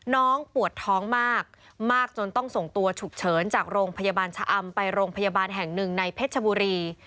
น้องปวดท้องมากมากจนต้องส่งตัวฉุกเฉินจากโรงพยาบาลชะอำไปโรงพยาบาลแห่งหนึ่งในเพชรชบุรี